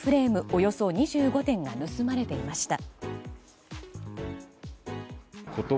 およそ２５点が盗まれていました。